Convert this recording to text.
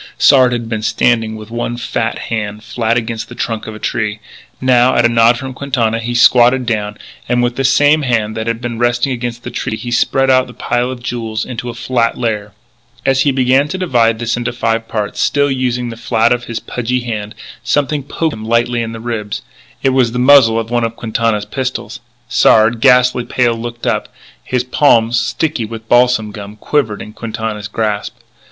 Sard had been standing with one fat hand flat against the trunk of a tree. Now, at a nod from Quintana, he squatted down, and, with the same hand that had been resting against the tree, he spread out the pile of jewels into a flat layer. As he began to divide this into five parts, still using the flat of his pudgy hand, something poked him lightly in the ribs. It was the muzzle of one of Quintana's pistols. Sard, ghastly pale, looked up. His palm, sticky with balsam gum, quivered in Quintana's grasp.